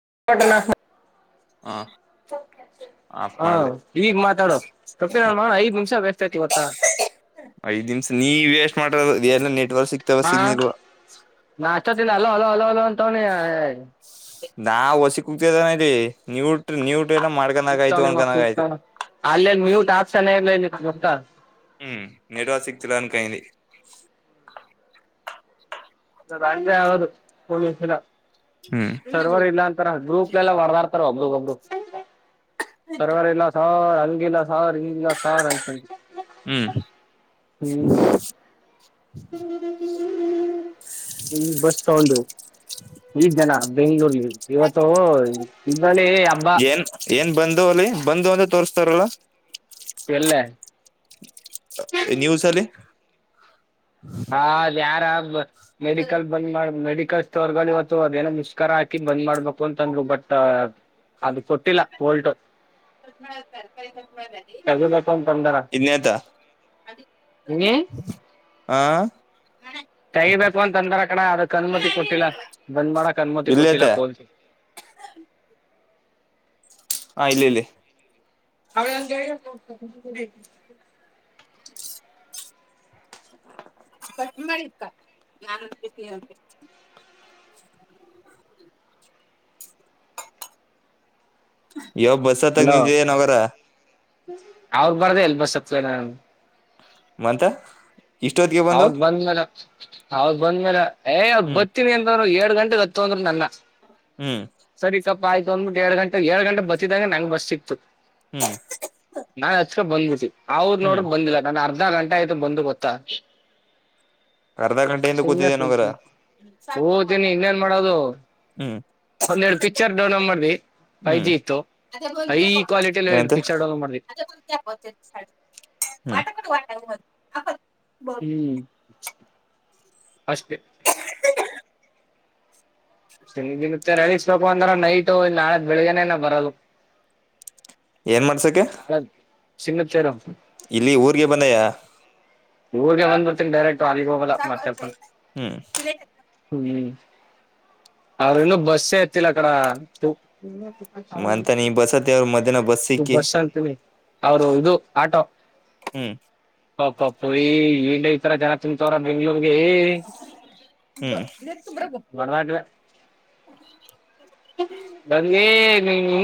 [unintelligible] ಹ ಆಫ್ ಹಾ ಮಾಡ್ರಿ ಈಗ್ ಮಾತಾಡೋ ಪ್ರಪ ಹ ಮಾಡ ಐದ್ ನಿಮಿಷ ವೇಷ್ಠ್ಆಯತ್. ಐದ್ ನಿಮ್ಸ ನೀ ವೇಸ್ಟ್ ಮಾಡ ಎಲ್ಲ ನೆಟ್ವರ್ಕ್ ಸಿಗ್ತಾವ ಸಿಗನಿಲ್ವ. ಇ ಅಲ ಅಲೋ ಅಲೋ ಅಲೋ ಅಂತವನಿ. [unintelligible] [unintelligible] ಮಾಡ್ಕನಾಗ ಆಯ್ತು ಅನ್ಕನಾಗ ಆಯ್ತು [unintelligible] ಅಲ್ಲೆನ್ ಮ್ಯೂಟ್ ಒಪ್ಸಿನೇ ಇಲ್ಲ ಗೊತ್ತ. ಹ್ಮ್ ನೆಡುವರ್ಕ್ ಸಿಗ್ತಿಲ್ಲ ಅಂಕಡಿ. ಅದಂಗೆ ಆಗದು ಪವಂಸಲ ಹ್ಮ್ ಸರ್ವರ್ ಇಲ್ಲ ಅಂತರ ಗ್ರೂಪ್ಲ್ಲ ಹೊಡ್ತಾದ್. ಒಬರಿಗ್ ಒಬ್ಬರು ಸರ್ವೆರ್ ಇಲ್ಲ ಸರ್ ಹಂಗಿಲ್ಲ ಸರ್. ಸ್ರ ಇಲ್ಲ ಸಾರ್ ಅತ ಹ್ಮ್ ಹ್ಮ್. ಹ್ಮ ಬಸ್ ಸ್ಟಾಂಡ. ಈ ಜನ ಬೆಂಗಳೂರ್ಲ್ಲಿ ಇವತ್ತು ಇದ್ರಲ್ಲಿ ಹಬ್ಬ. ಬ ಅಲ್ಲಿ ಬಂದು ಅಂತ ತೋರಿಸ್ತಾರಲ್ಲ. ಎಲ್ಲೇ ನ್ಯೂಸಲ್ಲಿ. ಹಾ ಅದ ಯಾರ ಮೆಡಿಕಲ್ ಬಂದ್ ಮಾಡ ಮೆಡ ಸ್ಟೋರ್ ಇವತ್ತು ಅದೇನೋ ಮುಷ್ಕಾರರ ಹಾಕಿ ಬಂದ್ ಮಾಡ್ಬೇಕು ಅಂತಂದ್ರು ಬಟ್ ಅದು ಕೂಟ್ಟಿಲ್ಲ ಕೂಲಟ್. ತಗಿಬೇಕು ಅಂತ ತಂದರ ಹ. ಇದ್ನೇತ ಹ [inaudible] ತಗಿಬೇಕು ಅಂತ ಅಂದ್ರ ಕಣ ಅದಕ್ ಅನುಮತಿ ಕೊಟ್ಟಿಲ್ಲ ಬಂದ್ ಮಾಡಕ್ ಅನುಮತಿ ಇಲ್ಲೇತ ಕೊಟ್ಟಿಲ್ಲ [unintelligible] [inaudible] ಹಾ ಇಲ್ಲಿ ಇಲ್ಲಿ‌. ಅ [unintelligible] ಕಟ್ ಮಾಡಿಕ್ಕ ನನ್ [unintelligible] [inaudible] [inaudible] ಯಾವ ಬಸ್ ಹತ್ತಾಗ ಅಲೋ ನಿಂತಿದೆ ನಗರ ಅವ್ರ ಬಾರ್ದ ಎಲ್ ಬಸ್ತ್ಡ ನಾನು ಮಂತ ಇಷ್ಟೊತ್ತಿಗೆ ಬಂದು ಅವದ್ ಬಂದ್ಮೇಲೆ ಅವದ್ ಬಂದ್ಮೇಲೆ ಏ ಹ್ಮ್ ಬರ್ತೀನಿ ಅಂತ್ರು ಎ ಗಂಟೆಗೆ ಹತ್ತು ಅಂದ್ರು ನನ್ನ ಹ್ಮ್ ಸರಿಕಪ್ಪ ಆಯ್ತು ಅಂದ್ಬಿಟ್ಟು ಎರಡ್ ಗಂಟೆ ಏಡ್ ಗಂಟೆ ಬತ್ತಿದಂ ನಂ ಬಸ್ ಸಿಕ್ತು ಹ್ಮ್ ನಾ ಬಂದಬಿತಿ ಅವ್ ಹ್ಮ್ ನೋಡ್ರ ಬಂದಿಲ್ಲ ನಾನ ಅರ್ಧ ಗಂಟೆ ಆಯ್ತು ಬಂದು ಗೊತ್ತಾ ಅರ್ಧ ಗಂಟೆಯಿಂದ ಸುಮ್ನೆ ಕೂತಿದ್ದೇನೋಗರ ಕೂತೀನಿ ಕೋತೀನಿ ಇಂನೇನ್ ಮಾಡದು ಹ್ಮ್ ಒಂದೆರೆಡು ಪಿಕ್ಚರ್ ಡೌನ್ಲೋಡ್ ಮಾಡಿಧಿ ಹ್ಮ್ ಏನಂತ್ಯ ವಟಾ ಕ್ವಾಲಿಟಿಲಿ ಎರಡು ಪಿಕ್ಚರ್ ಡೌನ್ಲೋಡ್ ಮಾಡ್ದಿ ಕಡಟ [unintelligible] ಹ್ಮ್ ಅಷ್ಟೇ ಸಿನ ದಿನತ್ತ ರಳಿಸಬೇಕು ಅಂದ್ರ ನೈಟ್ ನಾಳೆ ಬೆಳಿಗ್ನೇನ ಬರದು ಏನ್ ಮಾಡ್ಸಕ ಚಿನ್ನದ ತೇರು ಇಲ್ಲಿ ಊರ್ಗೆ ಬಂದಯ ಊರ್ಗೆ ಒಂದ್ ಬರ್ತೀನ ಡೈರೆಕ್ಟ್ ಅಲಿಗೆ ಹೋಗಲ್ಲ ಮತ್ತೆ ಹ್ಮ್ ಹ್ಮ್ ಅವ್ರ ಇನ್ನುೂ ಬಸ್ಸೇ ಅತಿಲ್ಲ ಅ ಕಡ ಮಂತ ನೀ ಬಸತ್ತ ಅವ್ರ ಮಧ್ಯಾಹ್ನ ಬಸ್ ಸಿಕ್ಕಿ ಬಸಅಂತೀನಿ ಅವರು ಇದು ಆಟೋ ಹ್ಮ್ ಪಪಪ್ಪ ಈ ಹೆಂಡ ಈತರ ಜನ ತೂಮ್ಮತಾವರ ಬೆಂಗಳೂರಿಗೆ [unintelligible] ಬನ್ನಿ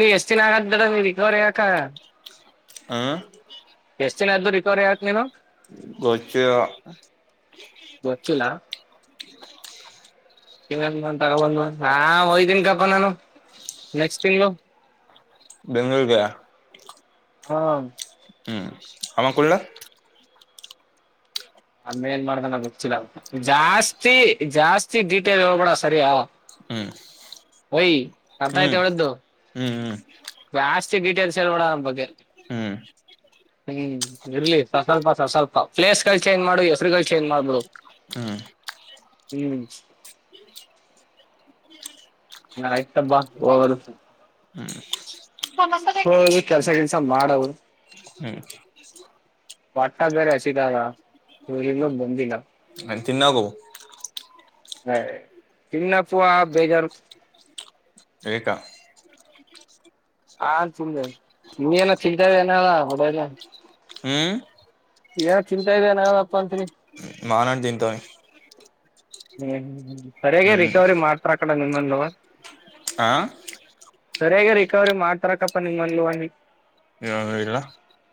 ಇ ಎಷ್ಟ್ ದಿನ ಆಗಾದಡ ನೀ ರಿಕವರಿ ಯಾಕ ಹ ಎಷ್ಟ್ ದಿನದ್ದು ರಿಕವರಿ ಆಕ್ ನೀನು ಗೊಚ್ಚು ಗೊತ್ತಿಲ್ಲ ತಗೊಬಂದ ಹಾ ಒಯ್ತನ್ ಕಪ ನಾನು ನೆಕ್ಸ್ಟ್ ತಿಂಗಗಳು ಬೆಂಗಳೂರುಗೆ ಹಾ ಹ್ಮ್ ಅವ ಕುಳ್ಳ ಅವ ಏನ್ ಮಾಡ್ದನೋ ಗೊತಿಲ್ಲ ಜಾಸ್ತಿ ಜಾಸ್ತಿ ಡೀಟೇಲ್ ಹೇಬೇಡ ಸರಿಯ ಹ್ಮ್ ವೈ ಅರ್ಥ ಹ್ಮ್ ಆಯ್ತಾ ಹೇಳಿದ್ದು ಹ್ಮ್ ಹ್ಮ್ ಜಾಸ್ತಿ ಡೀಟೇಲ್ಸ್ ಅವನ್ ಬಗ್ಗೆ ಹ್ಮ್ ಹ್ಮ್ ಇರ್ಲಿ ಸ ಸ್ವಲ್ಪ ಸ ಸ್ವಲ್ಪ ಪ್ಲೇಸ್ ಕ ಚೇಂಜ್ ಮಾಡು ಹೆಸರುಗಳು ಚೇಂಜ್ ಮಾಡು ಬಿಡೋ ಹ್ಮ್ ಹ್ಮ ನಯಬ ಹೋಗದು ಹ್ಮ್ ಹೋಗಿ ಕೆಲಸ ಗಿಲ್ಸು ಮಾಡವದು ಹ್ಮ್ ಒಟ್ಟ್ದಾರೆ ಹಸಿದಾರ ಇವರನ್ನು ಬಂದಿಲ್ಲ ತಿನ್ನೋಗು ಹೇ ತಿನ್ನಕ್ಕೂ ಬೇಜಾರು ಏಕ ಹಾ ತಿಂದೆ ನಿನ್ ಏನೋ ತಿಂತಾ ಇದ್ಯಾ ಅಂದದಗದೆ ಬಡ್ಡೆ ಐದ್ನೇ ಹ್ಮ್ ಏನ ಚಿಂತಾ ಇದೆಯ ನಾವನ್ ಅಪ್ಪ ಅಂತೀನಿ ಮಾವಿನ ಹಣ್ಣು ತಿಂತಾವ್ ನೀ ಹ್ಮ್ ಸರಿಯಾಗಿ ರಿಕವರಿ ಮಾಡ್ತಾರ ಕಡ ನಿಮ್ಮಲ್ಲಿವ ಹಾ. ಸರಿಯಾಗಿ ರಿಕವರಿ ಮಾಡ್ತಾರಕಪ್ಪ ನಿಮ್ [unintelligible] [unintelligible] ಇಲ್ಲ.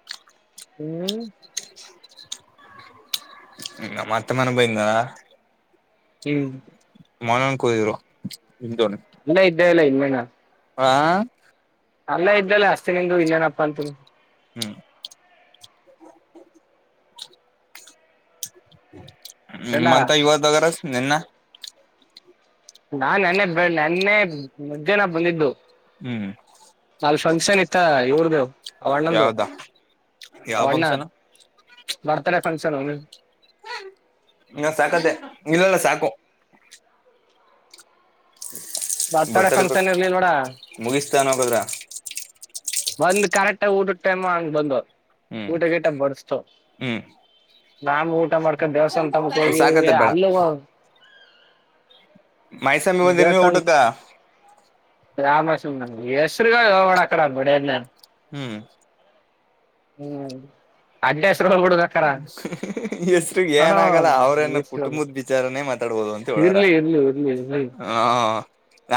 [unintelligible] ಮತ್ತೆ ಮನೆ. [unintelligible] ಹ್ಮ್. ಮನನ್ ಕೂದಿದ್ರು ತಿಂತಾವ್ನೆ. ಅಲ್ಲೇ ಇದ್ದೇ ಇಲ್ಲ ಇನ್ [inaudible] ಹಾ. ಅಲ್ಲ ಇದ್ದಲ್ಲ ಅಷ್ಟತೇ ನಿಂದು ಇನ್ನೇನಪ್ಪಾ ಅಂತಂದಿ. ಹ್ಮ್. ಹ್ಮ ಗಂಡ ಮತ್ತೆ ಇವತ್ತು ಹೋಗೋರ ನೆನ್ನ. ನಾನ್ ನೆನ್ನೆ ಬೆ ನೆನ್ನೆ ಮಧ್ಯಾಹ್ನ ಬಂದಿದ್ದು. ಹ್ಮ್ ನಾಲ್ ಫಂಕ್ಷನ್ ಇತ್ತ ಇವ್ರ್ದ ಅವ್ಣಂದು. ಯಾವ್ದ ಯಾವ ಅವಣ್ಣ ಫಂಕ್ಷನ್ ಬರ್ತ್ಡೇ ಫಂಕ್ಷನ್. [unintelligible] ಸಾಕಾದೆ ಇಲ್ಲಲ್ಲ ಸಾಕ. [inaudible] ಬರ್ತಡೇ ಫಂಕ್ಷನ್ ಇರ್ಲಿಲ್ ನೋಡ ಮುಗಿಸ್ತಾನ ಹೋಗದ್ರ. ಒಂದ್ ಕರೆಕ್ಟ್ ಊಟ ಟೈಮ್ ಹಂಗ್ ಬಂದ. ಹ್ಮ್ ಊಟ ಕೆಟ್ಟ ಬಸ್ತು ಹ್ಮ್ ರಾಮ್ ಊಟ ಮಾಡ್ಕೊಂಡ್ ದೇವಸ್ಥಾನ ತಮಕ್ ಹೋಗಿ ಸಾಕತ್ತ ಬೇಡ ಅಲ್ಲ. ಮಯ್ಯಸ್ವಾಮಿ ಬಂದೆ ನೀವು ಊಟಕ್ಕ. ಯಾವ ಮಹೇಸ್ವಾಮಿ ಹೆಸರುಗಳು ಹೇಳಬೇಡ. [unintelligible] ಹ್ಮ್. ಹ್ಮ್ ಅಡ್ ಎಸ್ರಗ್ ಹ ಏನಾಗಲ್ಲ ಅವ್ರನ ಕುಟುಂಬದ ವಿಚಾರನೇ ಮಾತಾಡ್ಬೋದು ಅಂತ ಹೇಳ. ಇರ್ಲಿ ಇರ್ಲಿ ಇರ್ಲಿ ಇರ್ಲಿ ಹೂ.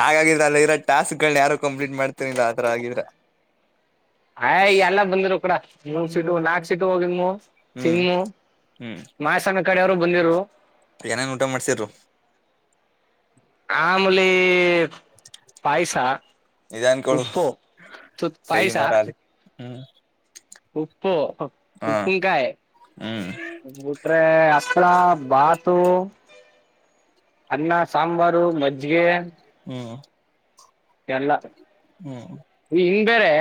ಹಾಗಿದ್ರ ಅಲ್ಲ ಇರೋ ಟಾಸ್ಕ್ಗಳನ್ನ ಯಾರು ಕಂಪ್ಲೀಟ್ ಮಾಡ್ತನಿಲ್ಲ ಆತರ ಆಗಿದ್ರೆ. ಆಯ್ ಎಲ್ಲ ಬಂದ್ರು ಕೂಡ ಮೂೂರ್ ಸೀಟ ನಾಕಕ್ ಸೀಟ ಹೋಗಿದ್್ಮ. ಹ್ಮ್ ಚಿನ್ನು ಹ್ಮ್ ಮಾಯಸ್ವಾಮಿ ಕಡೆ ಅವರು ಬಂದಿದ್ದರು. ಏನೇನ್ ಊಟ ಮಾಡ್ಸಿದ್ರು. ಆಮಲಿ ಪಾಯಸ ಇದ ಅನ್ಕೊಳು ಉಪ್ಪು. ತು ಕೈ ಪಾಯಸ. ಮರ ಅಲ್ಲಿ ಹ್ಮ್ ಹಪ್ಪೋ ಹ ಉಪ್ಪನ್ ಕಾಯಿ. ಹ್ಮ್ ಬಿಟ್ರೆ ಅಪ್ಪಾಳ ಬಾತು. ಅನ್ನ ಸಾಂಬಾರು ಮಜ್ಜಿಗೆ. ಹ್ಮ. ಎಲ್ಲ. ಹ್ಮ್. ಈ ಹಿಂಗ್ ಬೇರೆ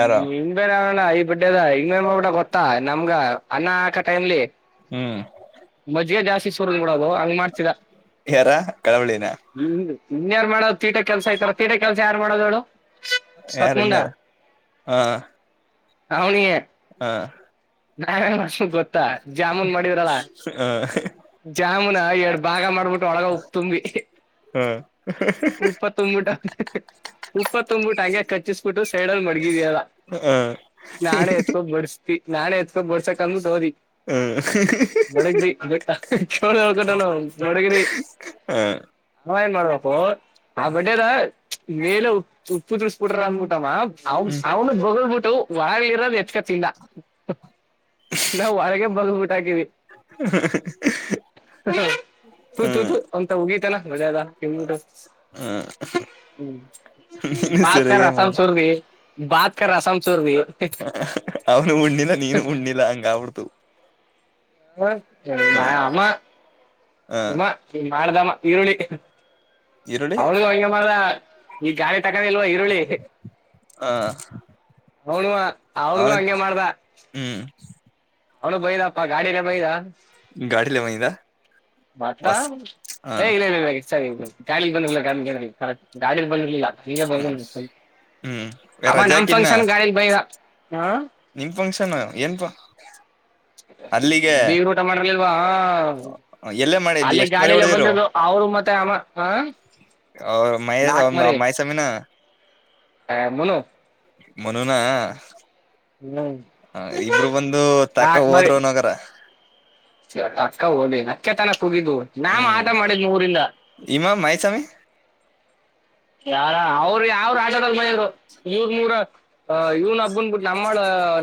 ಯಾರ ಬೇರೆ ಅವ. ಈ ಬಡ್ಡದ ಇಬಡ ಗೊತ್ತಾ ನಮ್ಗ ಅನ್ನ ಆಕ ಟೈಮ್ಲಿ. ಹ್ಮ್. ಮಜ್ಜಿಗೆ ಜಾಸ್ತಿ ಶುರ್ ಬಿಡೋದು ಹಂಗ ಮಾಡ್ತಿದ. ಯಾರ ಕಳವಳಿನ ಇನ್ಯಾರ ಮಾಡೋ ತೀಟೆ ಕೆಲಸ ಆಐತಾರ ತೀಟೆ ಕೆಲ್ಸ ಯಾರ ಮಾಡುವುದು ಹೇಳು. ಯಾರು ಸತ್ಮುಂಡ ಇನ್ನಯಾರ ಹಾ. ಅವನಿಯಾ. ಹಾ. ನಾವೇನ್ ಮಾಡ್ಸಿದ್ಮೇಲೆ ಗೊತ್ತಾ ಜಾಮೂನ್ ಮಾಡವ್ರಲ್ಲಾ. ಹ ಜಾಮೂನ ಎರಡ್ ಭಾಗ ಮಾಡ್ಬಿಟ್ಟು. ಒಳಗ ಉಪ್ಪು ತುಂಬಿ ಹ ಹ ಉಪ್ಪ ತುಂಬಿಬಿಟ್ಟ. ಉುಪ್ಪ ತುಂಬ್ಬಿಟ್ಟು ಹಂಗೆ ಕಚ್ಚಿಸ್ಬಿಟ್ಟು ಸೈಡಲ್ಲಿ ಮಡಗಿದ್ಯಲ್ಲ ನಾಡೆ ಎತ್ಕೊಂಡ ಬಡಸ್. ನಾೆ ಎತ್ಕ ಬರ್ಸಕ್ಂದ ತಗೋದಿ [unintelligible] ಚೋ ಹೊಳ್ಕಟ್ಟಾನ ನೋಡಗಿನಿ ಹ ಹ ಏನ್ ಮಾಡ್ಬೇಕಪ್ಪು ಆ ಬಡೇದ ಮೇಲೆ ಉ ಉಪ್ಪು ತಿಡಿಸಬಿಟ್ರ ಅನ್ಬಿಟಮ್ಮ ಅವ ಹ ಅವನು ಬಗಬಟ್ಟ ಒರಗ ಇರೋದು ಎಚ್ಕಚ್ಚಿಲ್ಲ ನ ಹೊರಗ ಬಗ್ಬಊಟಕವಿ ತು ಹ ತುಯತು ಅಂತ ಉಗ ಮಜಾದ ಕೆ ಹ ಹ್ಮ ನೀನು ಬತ್ಕ ಸರಿಯಾಗೆ ರಸಮ ಮಾಡ ಸೂರ್ ರ ಬತಕ ರಸಮ ಸೂರ ರೀ ಅವನು ಉಣ್ಣಿಲ್ಲ ನೀನು ಉಣ್ಣಿಲ್ಲ ಹಂಗ ಆಬಡ್ತು ಹ ಆಮ್ಮ ಹ ನಿಮ್ಮ ನೀ ಮಾಡ್ದಮ್ಮ ಈರುಳ್ಳಿ ಈರುಳ್ಳಿ ಅವಳಗ ಹ ಮಾರ ಈ ಜ ತಗೊಂಡಿಲ್ವಾ ಈರುಳ್ಳಿ ಹ ಅವನು ಅವ್ರಗೂ ಅವನ ಹಂಗೆ ಮಾಡ್ದ ಹ್ಮ್ ಅವಳು ಬೈದಾಪ್ಪ ಗಾಡಿನೇ ಬೈದಾ ಗಾಡಿಲೆ ಬಂದಿದ್ದ ಮತ್ತಾ ಹೊಸ್ ಹ ಹೇಗ ಸರಿ ಜಾಲಿಲಿ ಬ್ಲಿಲ್ಲ ಕಮ್ಮಿ ಪ್ಲಿಲ್ಲ ಈಗ ಬಗ ಹ್ಮ್ ಅವ ನಮ ರಜಾಕಿನ್ನ ಫಂಕ್ಷನ್ ಗಾಡ ಬಗ ಹ ನಿಮ್ ಫಂಕ್ಷನ್ ಏನ್ ಬೀವ ಊಟ ಮಾಡಲಿಲ್ವಾ ಹ ಎಲ್ಲೇ ಮಾಡಿದ್ದು ಅಲ್ಲಿ ಎಷ್ಟ್ ಮರಿ ಗಾಳಿಯಲ್ಲ ಹೊಡೆದಿರು ಬಂದು ಅವರು ಮತ್ತೆ ಆಮ್ಮ ಹ ಅವ ಮಹ ಮಹಸಾಮಿನ ಹಾ ಮುನು ಮನಾ ಹ್ಮ್ ಹ ಇಬ್ರು ಬಂದು ತಕ್ಕ ಹಾಕ್ ಮರಿ ಹೋದರುನಗರ ಅಕ್ಕ ಹಓದಿನಕ್ಕೆ ತನ ತಗಿದು ನಾಮ ಹ್ಮ್ ಆಟ ಮಾಡಿದ್ ಮೂರಿಂದ ಇಮಾ ಮಹೇಶಮಿ ಯಾರ ಅವರು ಯಾವ್ರ ಆಟಡದ ಮರು ನೂರ್ ನೂರ ಅ ಇವ್ ಹಬ್ಬನ್ ಬಿಟ್ಟು ನಮ್ಮಳ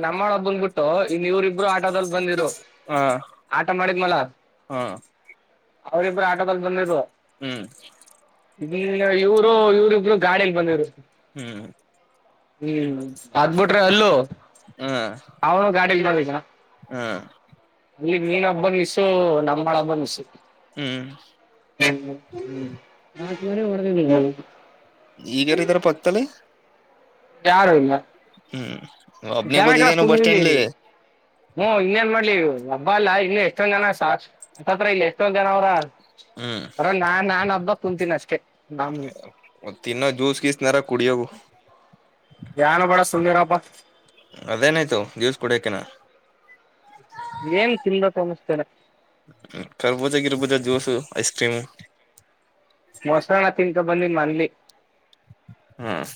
ನಮ್ಮಳ ಹಬ್ಬನ್ ಬಿಟ್ಟು ಇನ್ ಇವ್ರ ಇಬ್ರು ಆಟದಲ್ಲಿ ಬಂದಿದ್ರು ಹಾ ಹಾ ಅವರಿಬ್ಬರು ಆಟೋದಲ್ಲಿ ಬಂದಿದ್ರು ಹ್ಮ್ ಇ ಇವರು ಇವ್ರಬ್ರು ಗಾಡಿಯಂಗ ಬಂದವ್ರು ಹ್ಮ್ ಹ್ಮ್ ಅದ್ಬಿಟ್ರಿ ಅಲ್ಲೂ ಅವನು ಗಾಡಿ ಹಾ ಇಲ್ಲಿ ನೀನ್ ಹಬ್ಬನ್ಸು ನಮ್ಮಳ ಹಬ್ಬನ್ಸು ಹ್ಮ್ ಹ ನಾರೆ ರ ಈಗಾರ ಇದಾರ ಪತಲಿ ಯಾರು ಇಲ್ಲ ಹ್ಮ್ ಒಬ್ನೇ ಗೊತ್ತಿದ್ದೇನು ಬಸ್ ಸ್ಟ್ಯಾಂಡ್ಲಿ ಹ್ಮ್ ಇನ್ನೇನ್ ಮಾಡ್ಲಿ ಹಬ್ಬ ಅಲ್ಲಾ ಇನ್ನು ಎಷ್ಟೊಂದ್ ಜನತ್ರ ಇಲ್ಲಿ ಎಷ್ಟೊಂದ್ ಜನ ಅವ್ರ ಹ್ಮ್ ಅರ ನಾ ನಾನ್ ಹಬ್ಬ ಕುುಂತೀನಿ ಅಷ್ಟೇ ನಮ ಮ ತಿ ಇನ್ನೋ ಜ್ಯೂಸ್ ಗೀಸನಾರ ಕುಡಿಯೋಗ ನ ಬಡ ಸುಂದೀರಾಪ ಅದೇನಾಯ್ತು ಜ್ಯೂಸ್ ಕುಡಿಯಕನ ಏನ್ ತಿಂದ ತಮಸ್ನೆ ಕರ್ಬೂಜ ಗಿರ್ಬುಜ ಜ್ಯೂಸ್ಐಸ್ಕ್ರೀಮು ಮೊಸಳ ತಿನ್ಕೊ ಬಂದಿ ಮನ್ಲಿ ಹ್ಮ್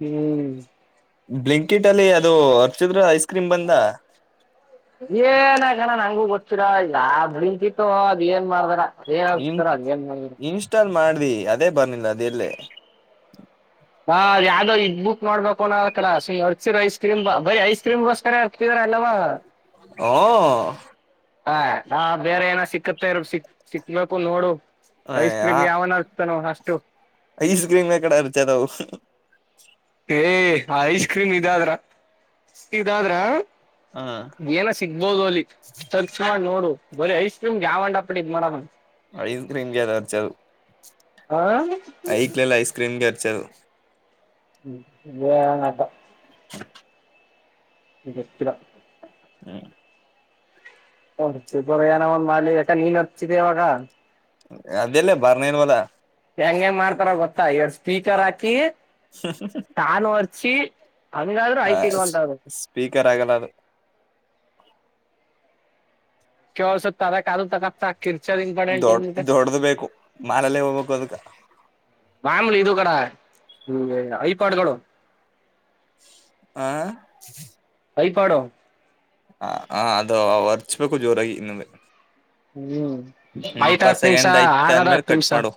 ಹ್ಮ್ ಬ್ಲಿಂಕೆಟ್ ಅಲ್ಲಿ ಅದು ಅರ್ಚಿದ್ರ ಐಸ್ ಕ್ರೀಮ್ ಬಂದ ನಂಗು ಗೊತ್ತೀರಾ ಯಾವ್ ಬ್ಲೈಂಕೀಟ್ ಅದ ಏನ್ ಮಾಡ್ದಾರ ಏನ್ ಇನ್ ಹಕ್ತಾರ ಅದ ಏನ್ ಮಾಡರೊ [unintelligible] ಅದೇ ಬರ್ನ್ನಿಲ್ಲ ಅದೆಲ್ಲೇ ಹಾ ಅ ಯಾವ್ದ್ ಇದ ಬುಕ್ ಮಾಡ್ಬೇಕ [unintelligible] ಕಡ ಸರ್ಚಿರ ಐಸ್ ಕ್ರೀಮ್ ಬರರಿ ಐಸ್ ಕ್ರೀಮ್ ಬೋಸ್ಕರ ಹಕ್ತಿದ [unintelligible] ಓ ಹ ಹಾ ಬೇರೆ ಏನ ಸಿಕ್ಕತ್ತರ ಸಿಕ್ ಸಿಕ್ಬೇಕು ನೋಡು ಐಸ್ ಹ ಕ್ರೀಮ್ ಯಾವನತಾನೋ ಅಷ್ಟು ಐಸ್ ಕ್ರೀಮ್ ನ ಕಡೆ ಅರ್ಚದವು ಏ ಐಸ್ ಕ್ರೀಮ್ ಇದಾದ್ರ ಇದಾದ್ರ ಹ ಏನ ಸಿಗ್ಬೋದು ಅಲ್ಲಿ ಸರ್ಚ್ ಮಾಡಿ ನೋಡು ಬರೀ ಐಸ್ ಕ್ರೀಮ್ ಗೆ ಯಾವನ್ ಅಪ್ಪಡಿ ಇದದು ಮಾಡನ ಐಸ್ ಕ್ರೀಮಗೆ ಅರ್ಚದು ಹ ಐಕ್ಲಲ್ಲ ಐಸ್ ಕ್ರೀಮಗೆ ಅರ್ಚದು ಎನೋಪ [unintelligible] [unintelligible] ಹ್ಮ್ ಒ ಬ ಏನ ಒಂದ್ ಮಾಲಿ ಯಾಕ ನೀನ್ ಹಚ್ಚಿದೆ ಅವಾಗ ಅದೆಲ್ಲ ಬರ್ನೆ ಇಲ್ವಲ್ಲ ಹೆಂಗ್ ಹೆಂಗ್ ಮಾರ್ತಾರ್ ಗೊತ್ತಾ ಎರಡು ಸ್ಪೀಕರ್ ಹಾಕಿ [unintelligible] ಕಿ ಹಂಗಾದ್ರೂ ಐತಿಲ್ವಂತರು [unintelligible] ಗಲ್ಲ ಅದು ಕೆವ ಸ್ವ ತಾರ ಕಾದ ತ ದೊಡ ದೊಡ್ದ ಬೇಕು ಮಾರಲ್ಲೇ ಹೋಗ್ಬೇಕು ಅದಕ ಆಮೇಲೆ ಇದು ಕಡ ಈ ಐಪಾಡ್ಗಳು ಆ [unintelligible] ಹ ಹ ಅದು ವರ್ಚ್ಬೇಕು ಜೋರಾಗಿ ಇನ್ನುವೆ ಹ್ಮ್ ಇ ಆಯ್ತ ಇಪತ್ತು ಹತ್ ನಿಮಿಷ ಸೆಕೆಂಡ್ ಐತೆ ಆಗದ ಆಂದ್ಮೇಲೆ ಹತ್ ಕಟ್ ನಿಮಿಷ ಮಾಡು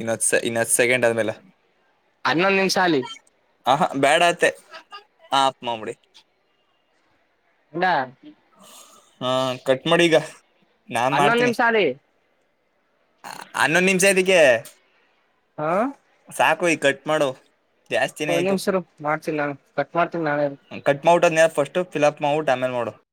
ಇನ್ನು ಹತ್ತು ಸೆಕೆಂಡ್ ಆದ್ಮೇಲೆ ಹನ್ನೊಂದ್ ನಿಮಿಷ ಅಲಿ ಹ ಹಾ ಬ್ಯಾಡ ಆಯತೆ ಹ ಆತ್ ಮಾಡ್ಬಿಡಿ [unintelligible] ಹಾ ಕಟ್ ಮಾಡು ಇಗ ಹನ್ನೊಂದು ನಿಮಿಷ ಆಗ್ಲಿ ಹನ್ನೊಂದು ನಿಮಿಷ ಎದಕ್ಕೆ ಹಾ ಸಾಕು ಈಗ್ ಕಟ್ ಮಾಡು ಜಾಸ್ತಿನೇ ಒಂದ್ ಆಯ್ತು ನಿಂಶ ಇರು ಮಾಡ್ತಿನಿ ನಾನು ಕಟ್ ಮಾಡ್ತನಿ ನಾನರು ಕಟ್ ಮಾಡ್ಬಿಟ್ಟು ಅದ್ನ ಫಸ್ಟ್ ಫಿಲಪ್ ಮಾಡ್ಬಿಟ್ ಆಮೇಲೆ ಮಾಡು